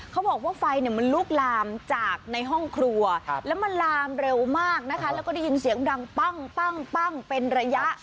เขาบอกว่าไฟมันลุกลามจากในห้องครัวแล้วมันลามเร็วมากนะคะแล้วก็ได้ยินเสียงดังปั้งเป็นระยะ